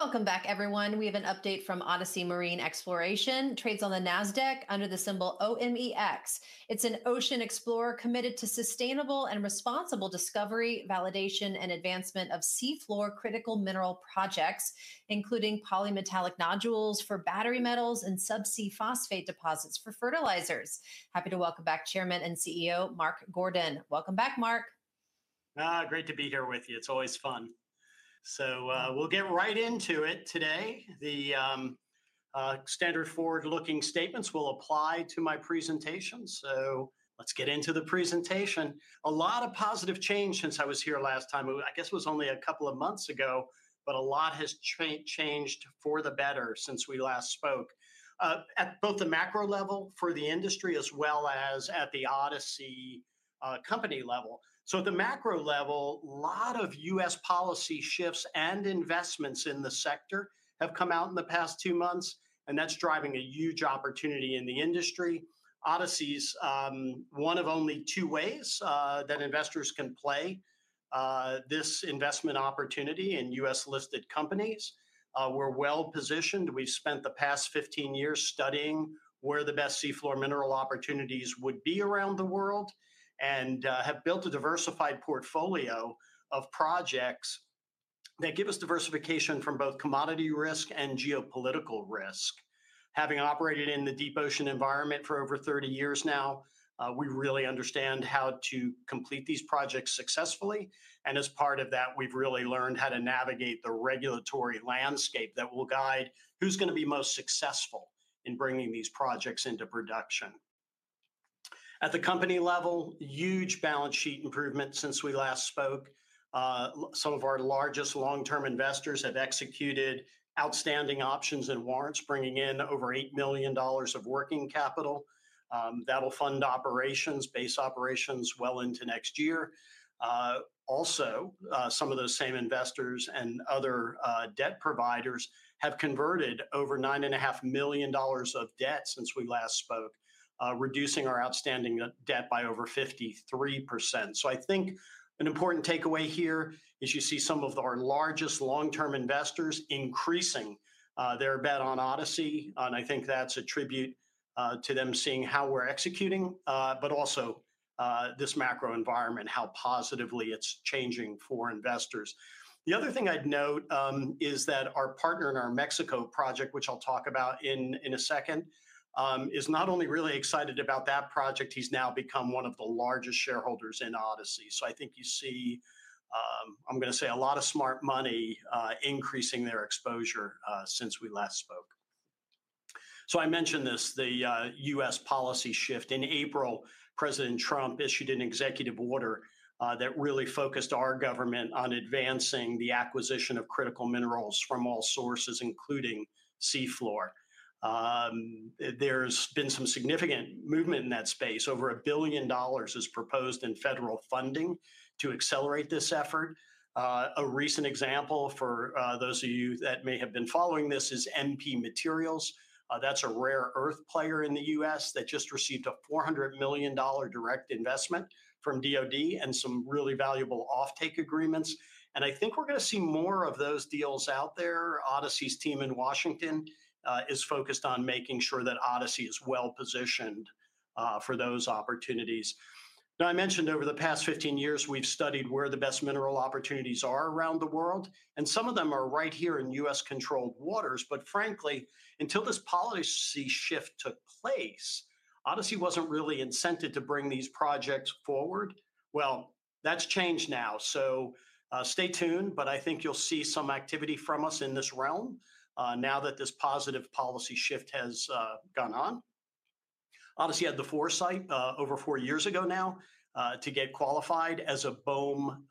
Welcome back, everyone. We have an update from Odyssey Marine Exploration, trades on the NASDAQ under the symbol OMEX. It's an ocean explorer committed to sustainable and responsible discovery, validation, and advancement of seafloor critical mineral projects, including polymetallic nodules for battery metals and subsea phosphate deposits for fertilizers. Happy to welcome back Chairman and CEO Mark Gordon. Welcome back, Mark. Great to be here with you. It's always fun. We'll get right into it today. The standard forward-looking statements will apply to my presentation. Let's get into the presentation. A lot of positive change since I was here last time. I guess it was only a couple of months ago, but a lot has changed for the better since we last spoke, at both the macro level for the industry as well as at the Odyssey company level. At the macro level, a lot of U.S. policy shifts and investments in the sector have come out in the past two months, and that's driving a huge opportunity in the industry. Odyssey is one of only two ways that investors can play this investment opportunity in U.S.-listed companies. We're well positioned. We've spent the past 15 years studying where the best seafloor mineral opportunities would be around the world and have built a diversified portfolio of projects that give us diversification from both commodity risk and geopolitical risk. Having operated in the deep ocean environment for over 30 years now, we really understand how to complete these projects successfully. As part of that, we've really learned how to navigate the regulatory landscape that will guide who's going to be most successful in bringing these projects into production. At the company level, huge balance sheet improvements since we last spoke. Some of our largest long-term investors have executed outstanding options and warrants, bringing in over $8 million of working capital. That'll fund operations, base operations, well into next year. Also, some of those same investors and other debt providers have converted over $9.5 million of debt since we last spoke, reducing our outstanding debt by over 53%. I think an important takeaway here is you see some of our largest long-term investors increasing their bet on Odyssey. I think that's a tribute to them seeing how we're executing, but also this macro environment, how positively it's changing for investors. The other thing I'd note is that our partner in our Mexico project, which I'll talk about in a second, is not only really excited about that project, he's now become one of the largest shareholders in Odyssey. I think you see, I'm going to say a lot of smart money, increasing their exposure since we last spoke. I mentioned this, the U.S. policy shift. In April, President Trump issued an executive order that really focused our government on advancing the acquisition of critical minerals from all sources, including seafloor. There's been some significant movement in that space. Over $1 billion is proposed in federal funding to accelerate this effort. A recent example for those of you that may have been following this is MP Materials. That's a rare earth player in the U.S. that just received a $400 million direct investment from DoD and some really valuable offtake agreements. I think we're going to see more of those deals out there. Odyssey's team in Washington is focused on making sure that Odyssey is well positioned for those opportunities. I mentioned over the past 15 years, we've studied where the best mineral opportunities are around the world, and some of them are right here in U.S.-controlled waters. Frankly, until this policy shift took place, Odyssey wasn't really incented to bring these projects forward. That's changed now. Stay tuned, but I think you'll see some activity from us in this realm, now that this positive policy shift has gone on. Odyssey had the foresight, over four years ago now, to get qualified as a BOEM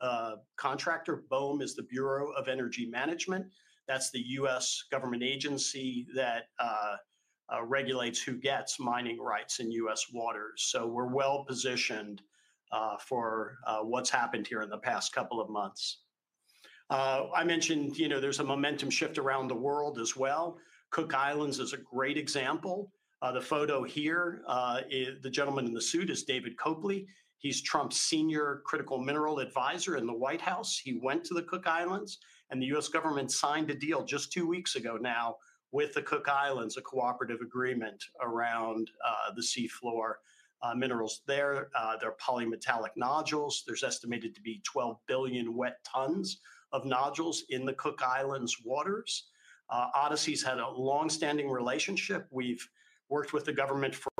contractor. BOEM is the Bureau of Ocean Energy Management. That's the U.S. government agency that regulates who gets mining rights in U.S. waters. We're well positioned for what's happened here in the past couple of months. I mentioned there's a momentum shift around the world as well. Cook Islands is a great example. The photo here, the gentleman in the suit is David Copley. He's President Trump's Senior Critical Mineral Advisor in the White House. He went to the Cook Islands, and the U.S. government signed a deal just two weeks ago now with the Cook Islands, a cooperative agreement around the seafloor minerals. They're polymetallic nodules. There's estimated to be 12 billion wet tons of nodules in the Cook Islands' waters. Odyssey Marine Exploration's had a longstanding relationship. We've worked with the government for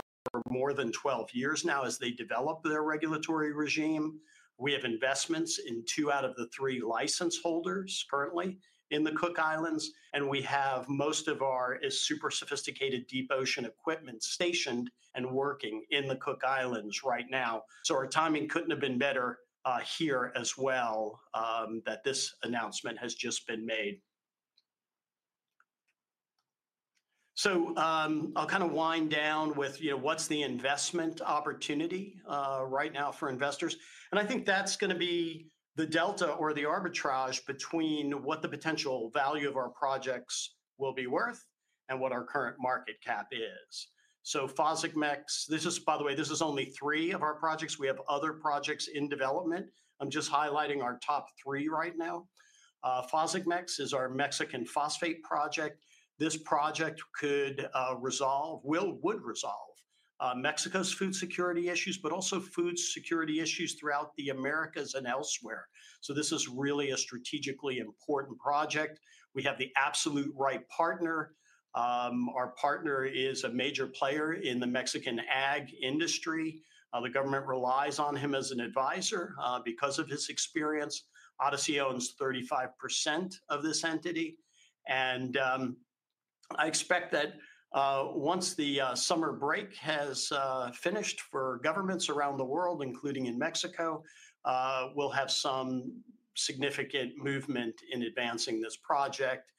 more than 12 years now as they developed their regulatory regime. We have investments in two out of the three license holders currently in the Cook Islands, and we have most of our super sophisticated deep ocean equipment stationed and working in the Cook Islands right now. Our timing couldn't have been better here as well, that this announcement has just been made. I'll kind of wind down with what's the investment opportunity right now for investors. I think that's going to be the delta or the arbitrage between what the potential value of our projects will be worth and what our current market cap is. PHOSAGMEX, by the way, this is only three of our projects. We have other projects in development. I'm just highlighting our top three right now. PHOSAGMEX is our Mexican phosphate project. This project could resolve, will, would resolve Mexico's food security issues, but also food security issues throughout the Americas and elsewhere. This is really a strategically important project. We have the absolute right partner. Our partner is a major player in the Mexican ag industry. The government relies on him as an advisor because of his experience. Odyssey owns 35% of this entity. I expect that once the summer break has finished for governments around the world, including in Mexico, we'll have some significant movement in advancing this project.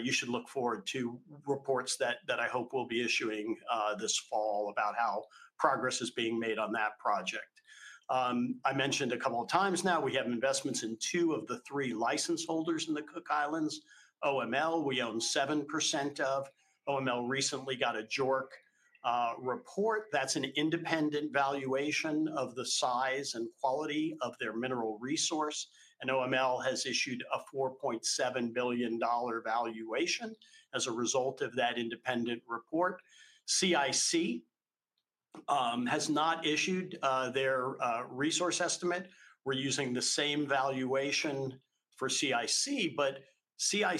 You should look forward to reports that I hope we'll be issuing this fall about how progress is being made on that project. I mentioned a couple of times now, we have investments in two of the three license holders in the Cook Islands, OML. We own 7% of. OML recently got a JORC report. That's an independent valuation of the size and quality of their mineral resource. OML has issued a $4.7 billion valuation as a result of that independent report. CIC has not issued their resource estimate. We're using the same valuation for CIC, but I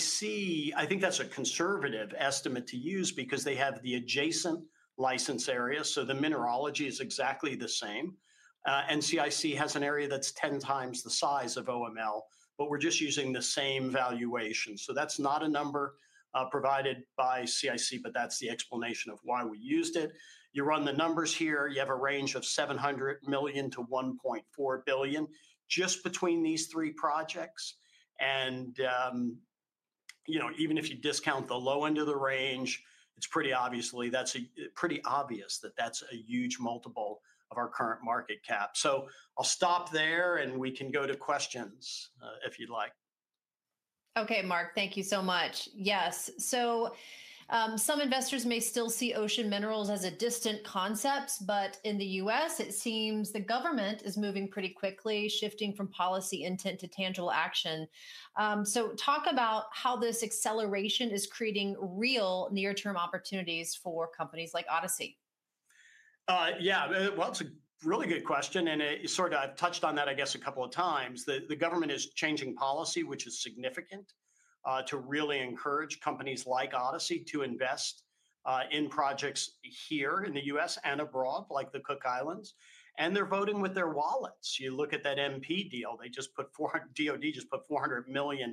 think that's a conservative estimate to use because they have the adjacent license area. The mineralogy is exactly the same, and CIC has an area that's 10x the size of OML, but we're just using the same valuation. That's not a number provided by CIC, but that's the explanation of why we used it. You run the numbers here. You have a range of $700 million to $1.4 billion just between these three projects. Even if you discount the low end of the range, it's pretty obvious that that's a huge multiple of our current market cap. I'll stop there and we can go to questions if you'd like. Okay, Mark, thank you so much. Yes, some investors may still see ocean minerals as a distant concept, but in the U.S., it seems the government is moving pretty quickly, shifting from policy intent to tangible action. Talk about how this acceleration is creating real near-term opportunities for companies like Odyssey. It's a really good question. I’ve touched on that, I guess, a couple of times. The government is changing policy, which is significant, to really encourage companies like Odyssey Marine Exploration to invest in projects here in the U.S. and abroad, like the Cook Islands. They're voting with their wallets. You look at that MP deal, they just put $400 million, DoD just put $400 million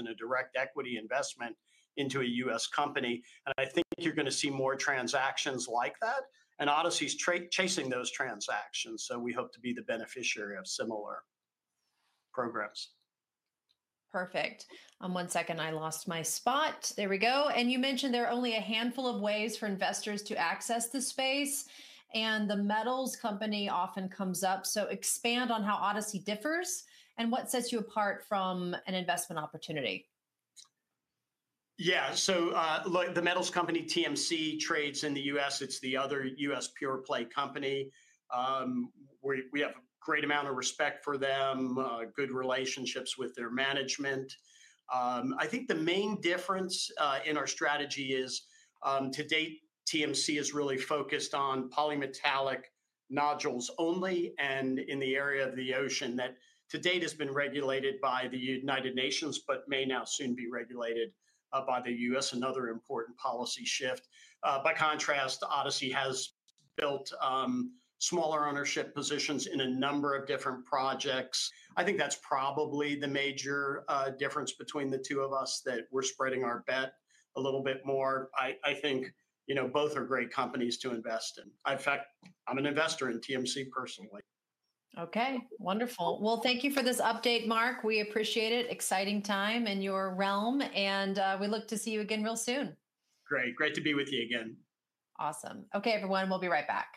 in a direct equity investment into a U.S. company. I think you're going to see more transactions like that. Odyssey is chasing those transactions. We hope to be the beneficiary of similar programs. Perfect. One second, I lost my spot. There we go. You mentioned there are only a handful of ways for investors to access the space. The Metals Company often comes up. Expand on how Odyssey differs and what sets you apart from an investment opportunity. Yeah, so, look, The Metals Company, TMC, trades in the U.S. It's the other U.S. pure play company. We have a great amount of respect for them, good relationships with their management. I think the main difference in our strategy is, to date, TMC is really focused on polymetallic nodules only and in the area of the ocean that to date has been regulated by the United Nations, but may now soon be regulated by the U.S. Another important policy shift. By contrast, Odyssey has built smaller ownership positions in a number of different projects. I think that's probably the major difference between the two of us, that we're spreading our bet a little bit more. I think, you know, both are great companies to invest in. I'm an investor in TMC personally. Okay, wonderful. Thank you for this update, Mark. We appreciate it. Exciting time in your realm, and we look to see you again real soon. Great. Great to be with you again. Awesome. Okay, everyone, we'll be right back.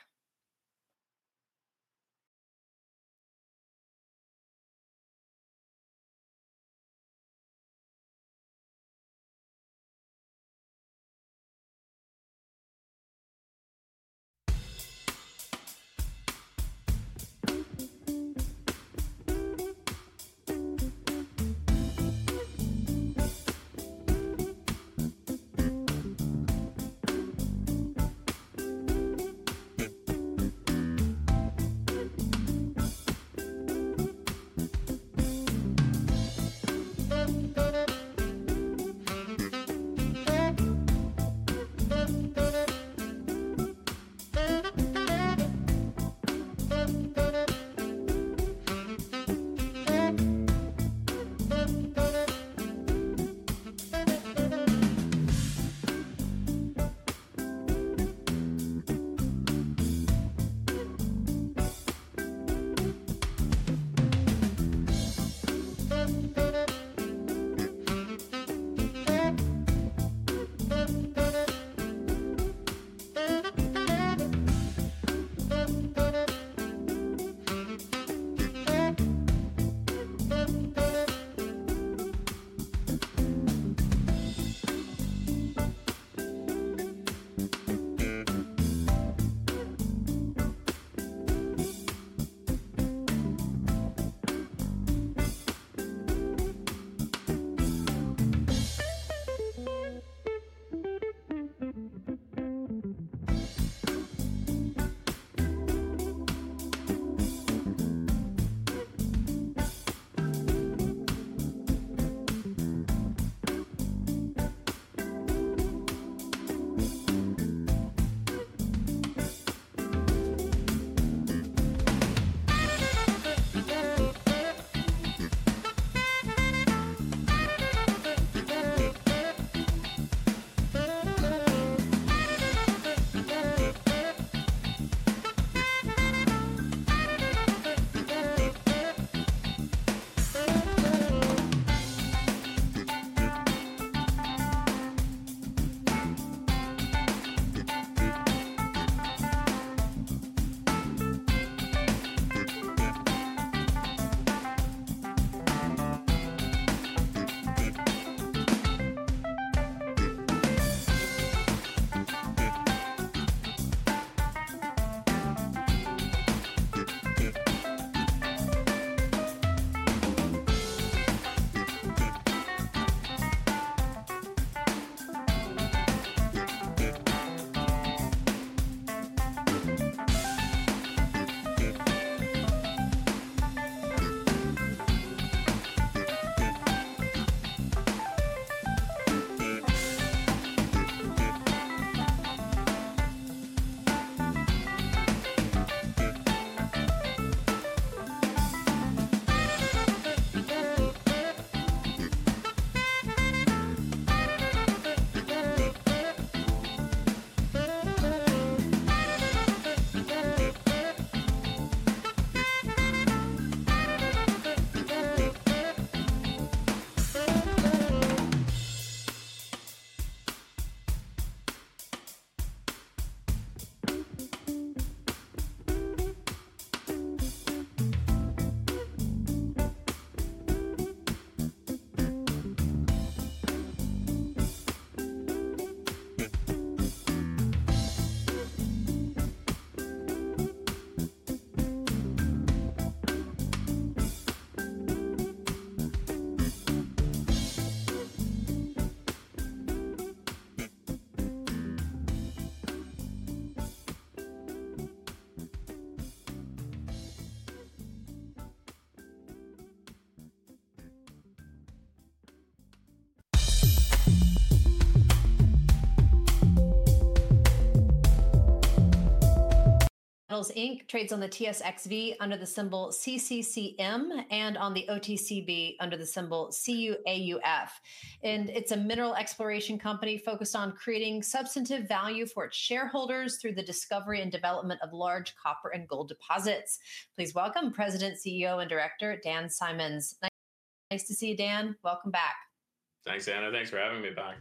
C3 Metals Inc. trades on the TSX.V under the symbol CCCM and on the [OTCQB] under the symbol CUAUF. It's a mineral exploration company focused on creating substantive value for its shareholders through the discovery and development of large copper and gold deposits. Please welcome President, CEO, and Director Dan Symons. Nice to see you, Dan. Welcome back. Thanks, Anna. Thanks for having me back.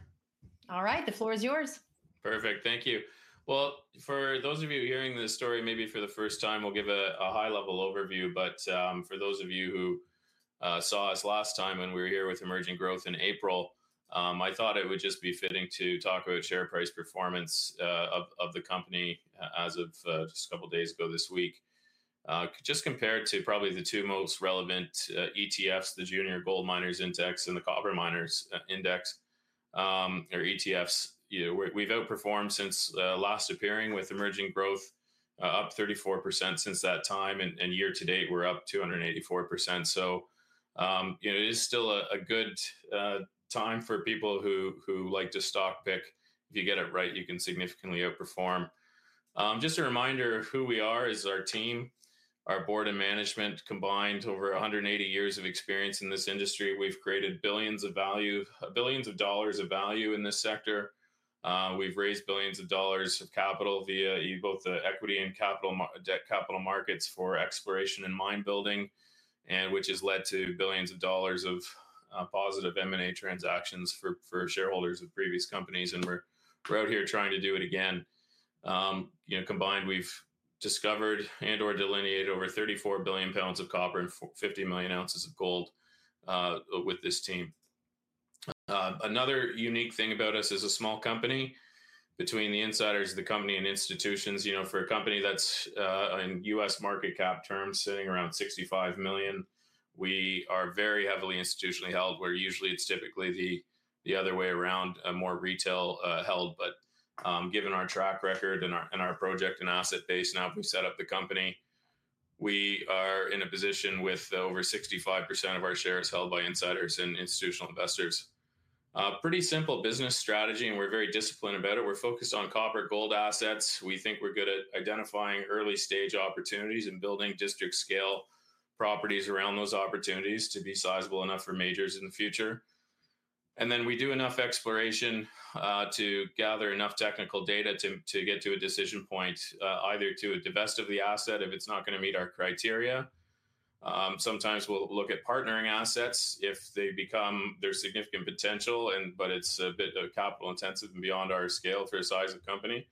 All right, the floor is yours. Perfect. Thank you. For those of you hearing this story, maybe for the first time, we'll give a high-level overview. For those of you who saw us last time when we were here with Emerging Growth in April, I thought it would just be fitting to talk about share price performance of the company as of just a couple of days ago this week, just compared to probably the two most relevant ETFs, the Junior Gold Miners Index and the Copper Miners Index, or ETFs. You know, we've outperformed since last appearing with Emerging Growth, up 34% since that time. Year to date, we're up 284%. It is still a good time for people who like to stock pick. If you get it right, you can significantly outperform. Just a reminder who we are is our team, our board of management, combined over 180 years of experience in this industry. We've created billions of dollars of value in this sector. We've raised billions of dollars of capital via both the equity and debt capital markets for exploration and mine building, which has led to billions of dollars of positive M&A transactions for shareholders of previous companies. We're out here trying to do it again. Combined, we've discovered and/or delineated over 34 billion pounds of copper and 50 million ounces of gold with this team. Another unique thing about us as a small company, between the insiders of the company and institutions, for a company that's, in U.S. market cap terms, sitting around $65 million, we are very heavily institutionally held, where usually it's typically the other way around, more retail held. Given our track record and our project and asset base now that we've set up the company, we are in a position with over 65% of our shares held by insiders and institutional investors. Pretty simple business strategy, and we're very disciplined about it. We're focused on copper gold assets. We think we're good at identifying early-stage opportunities and building district-scale properties around those opportunities to be sizable enough for majors in the future. We do enough exploration to gather enough technical data to get to a decision point, either to divest the asset if it's not going to meet our criteria. Sometimes we'll look at partnering assets if there is significant potential, but it's a bit capital intensive and beyond our scale for the size of the company.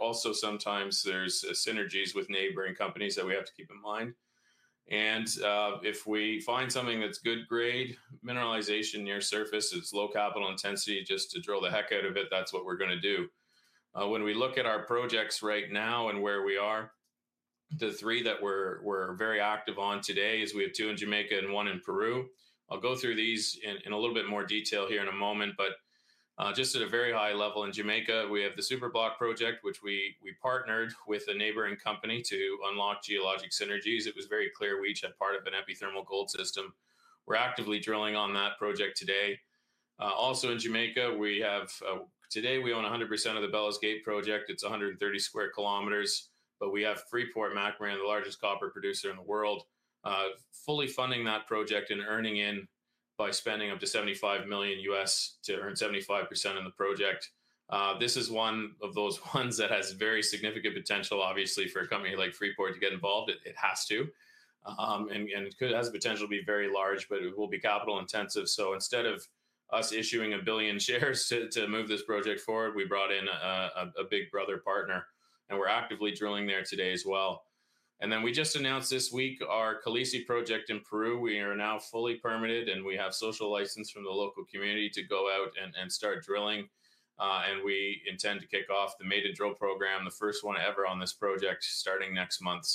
Also, sometimes there's synergies with neighboring companies that we have to keep in mind. If we find something that's good grade mineralization near surface, it's low capital intensity just to drill the heck out of it. That's what we're going to do. When we look at our projects right now and where we are, the three that we're very active on today are two in Jamaica and one in Peru. I'll go through these in a little bit more detail here in a moment. At a very high level in Jamaica, we have the Super Block project, which we partnered with a neighboring company to unlock geologic synergies. It was very clear we each had part of an epithermal gold system. We're actively drilling on that project today. Also in Jamaica, today we own 100% of the Bellas Gate project. It's 130 sq km, but we have Freeport-McMoRan, the largest copper producer in the world, fully funding that project and earning in by spending up to $75 million to earn 75% in the project. This is one of those ones that has very significant potential. Obviously, for a company like Freeport to get involved, it has to, and it could have the potential to be very large, but it will be capital intensive. Instead of us issuing a billion shares to move this project forward, we brought in a big brother partner, and we're actively drilling there today as well. We just announced this week our Khaleesi project in Peru. We are now fully permitted, and we have social license from the local community to go out and start drilling. We intend to kick off the maiden drill program, the first one ever on this project, starting next month.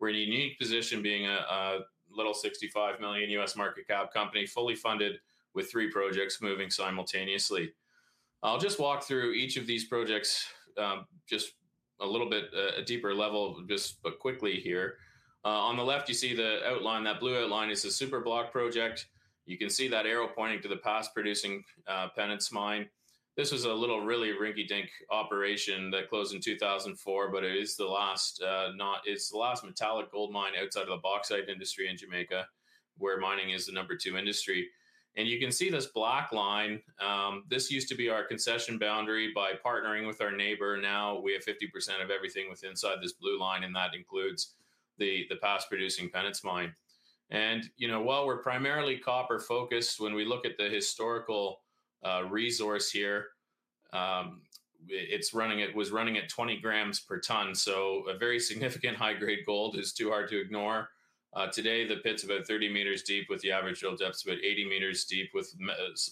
We're in a unique position being a little $65 million market cap company, fully funded with three projects moving simultaneously. I'll just walk through each of these projects at a deeper level, just quickly here. On the left, you see the outline, that blue outline is the Super Block project. You can see that arrow pointing to the past producing Pennants Mine. This was a really rinky-dink operation that closed in 2004, but it is the last metallic gold mine outside of the bauxite industry in Jamaica, where mining is the number two industry. You can see this black line. This used to be our concession boundary by partnering with our neighbor. Now we have 50% of everything within this blue line, and that includes the past producing Pennants Mine. While we're primarily copper-focused, when we look at the historical resource here, it was running at 20 g per ton. A very significant high-grade gold is too hard to ignore. Today, the pit's about 30 m deep with the average drill depths about 80 m deep, with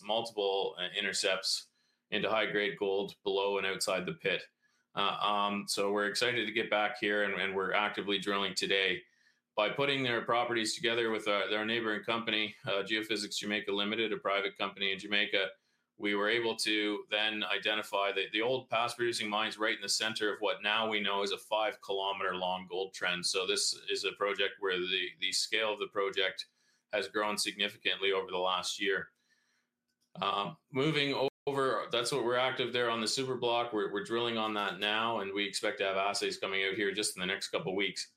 multiple intercepts into high-grade gold below and outside the pit. We're excited to get back here and we're actively drilling today. By putting their properties together with our neighboring company, Geophysx Jamaica Ltd., a private company in Jamaica, we were able to identify that the old past producing mine is right in the center of what now we know is a 5 km-long gold trend. This is a project where the scale of the project has grown significantly over the last year. Moving over, that's what we're active on there at the Super Block. We're drilling on that now and we expect to have assays coming out here just in the next couple of weeks.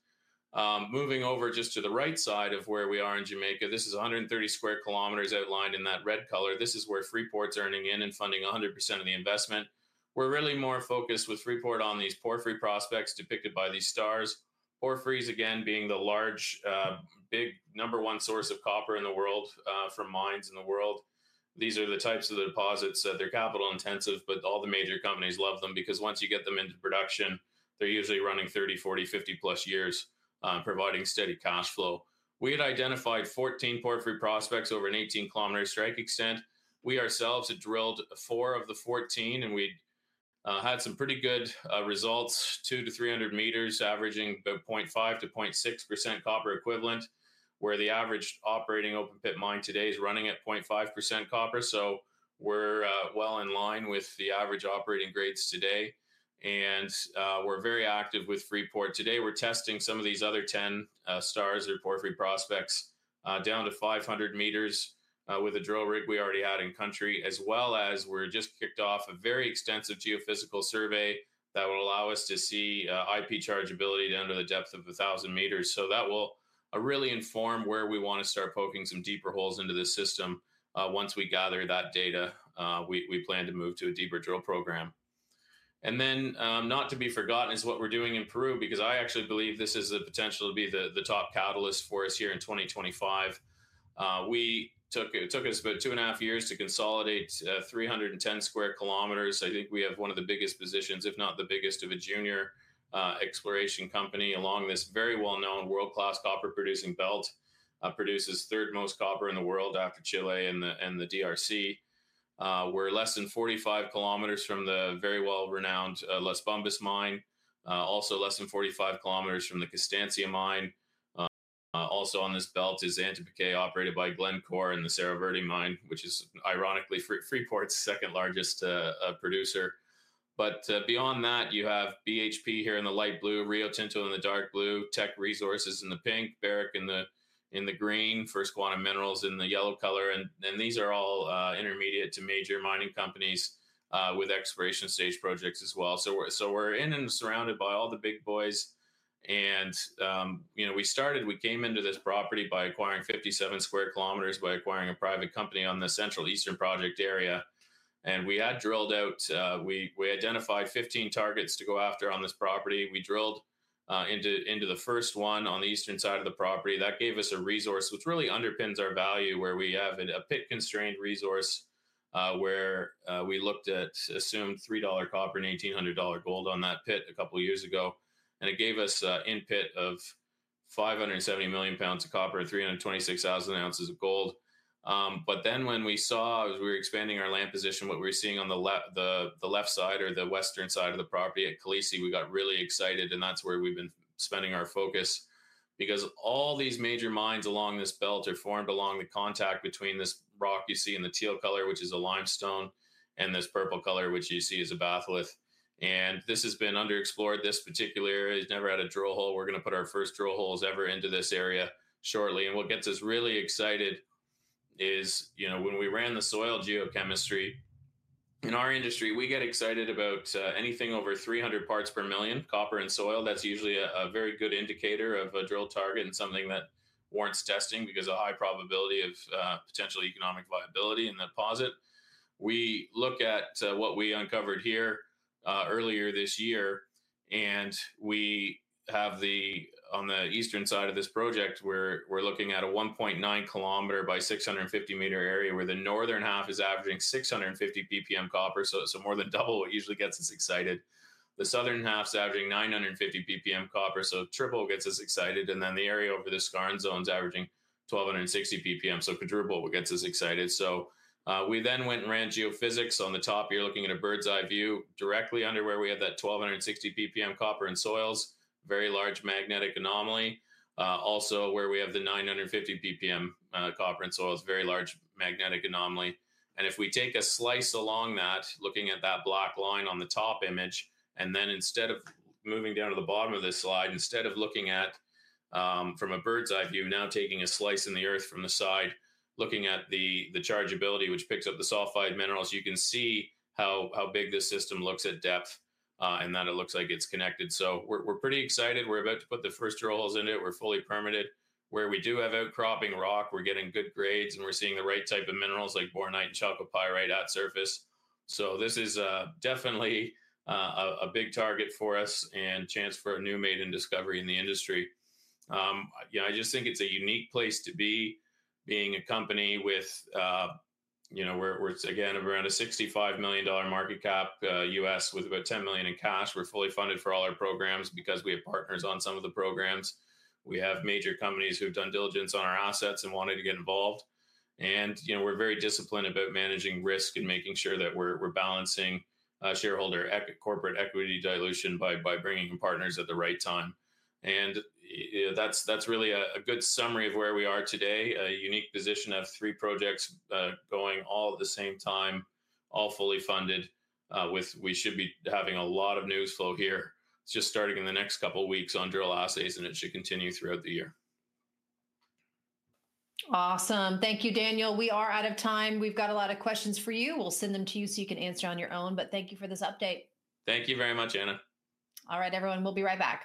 Moving over just to the right side of where we are in Jamaica, this is 130 sq km outlined in that red color. This is where Freeport's earning in and funding 100% of the investment. We're really more focused with Freeport on these porphyry prospects depicted by these stars. Porphyry is again the large, big number one source of copper in the world, from mines in the world. These are the types of deposits that are capital intensive, but all the major companies love them because once you get them into production, they're usually running 30, 40, 50+ years, providing steady cash flow. We had identified 14 porphyry prospects over an 18-kilometer strike extent. We ourselves had drilled four of the 14 and we had some pretty good results, 200 m-300 m averaging about 0.5%-0.6% copper equivalent, where the average operating open pit mine today is running at 0.5% copper. We're well in line with the average operating grades today. We're very active with Freeport today. We're testing some of these other 10 stars or porphyry prospects down to 500 m, with a drill rig we already had in country, as well as we've just kicked off a very extensive geophysical survey that will allow us to see IP chargeability down to the depth of 1,000 m. That will really inform where we want to start poking some deeper holes into this system. Once we gather that data, we plan to move to a deeper drill program. Not to be forgotten is what we're doing in Peru, because I actually believe this is a potential to be the top catalyst for us here in 2025. It took us about 2.5 years to consolidate 310 sq km. I think we have one of the biggest positions, if not the biggest, of a junior exploration company along this very well-known world-class copper producing belt. It produces the third most copper in the world after Chile and the DRC. We're less than 45 km from the very well-renowned Las Bambas mine, also less than 45 km from the Constancia mine. Also on this belt is Antapaccay, operated by Glencore, and the Cerro Verde mine, which is ironically Freeport's second largest producer. Beyond that, you have BHP here in the light blue, Rio Tinto in the dark blue, Teck Resources in the pink, Barrick in the green, First Quantum Minerals in the yellow color. These are all intermediate to major mining companies with exploration stage projects as well. We're in and surrounded by all the big boys. We came into this property by acquiring 57 sq km by acquiring a private company on the central eastern project area. We identified 15 targets to go after on this property. We drilled into the first one on the eastern side of the property. That gave us a resource, which really underpins our value, where we have a pit-constrained resource. We looked at, assume, $3 copper and $1,800 gold on that pit a couple of years ago, and it gave us an in-pit of 570 million pounds of copper and 326,000 ounces of gold. When we saw, as we were expanding our land position, what we were seeing on the left side or the western side of the property at Khaleesi, we got really excited. That's where we've been spending our focus because all these major mines along this belt are formed along the contact between this rock you see in the teal color, which is a limestone, and this purple color, which you see is a batholith. This has been underexplored. This particular area has never had a drill hole. We're going to put our first drill holes ever into this area shortly. What gets us really excited is, you know, when we ran the soil geochemistry in our industry, we get excited about anything over 300 parts per million copper in soil. That's usually a very good indicator of a drill target and something that warrants testing because of a high probability of potential economic viability in the deposit. We look at what we uncovered here earlier this year. We have, on the eastern side of this project, a 1.9 km by 650 m area where the northern half is averaging 650 ppm copper, which is more than double what usually gets us excited. The southern half's averaging 950 ppm copper, so triple gets us excited. The area over the scarring zone's averaging 1,260 ppm, so quadruple what gets us excited. We then went and ran geophysics. On the top, you're looking at a bird's eye view directly under where we have that 1,260 ppm copper in soils, very large magnetic anomaly. Also, where we have the 950 ppm copper in soils, very large magnetic anomaly. If we take a slice along that, looking at that black line on the top image, and then instead of moving down to the bottom of this slide, instead of looking at it from a bird's eye view, now taking a slice in the earth from the side, looking at the chargeability, which picks up the sulfide minerals, you can see how big this system looks at depth, and that it looks like it's connected. We're pretty excited. We're about to put the first drill holes into it. We're fully permitted. Where we do have outcropping rock, we're getting good grades and we're seeing the right type of minerals like bornite and chalcopyrite at surface. This is definitely a big target for us and a chance for a new made-in-discovery in the industry. I just think it's a unique place to be being a company with, you know, we're again of around a $65 million market cap, U.S., with about $10 million in cash. We're fully funded for all our programs because we have partners on some of the programs. We have major companies who've done diligence on our assets and wanted to get involved. We're very disciplined about managing risk and making sure that we're balancing shareholder corporate equity dilution by bringing in partners at the right time. That's really a good summary of where we are today, a unique position of three projects going all at the same time, all fully funded. We should be having a lot of news flow here just starting in the next couple of weeks on drill assays, and it should continue throughout the year. Awesome. Thank you, Daniel. We are out of time. We've got a lot of questions for you. We'll send them to you so you can answer on your own. Thank you for this update. Thank you very much, Anna. All right, everyone, we'll be right back.